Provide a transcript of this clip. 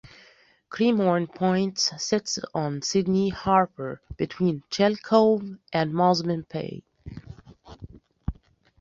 Cremorne Point sits on Sydney Harbour between Shell Cove and Mosman Bay.